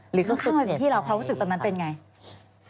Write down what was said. หรือข้างเป็นพี่เราความรู้สึกตอนนั้นเป็นอย่างไร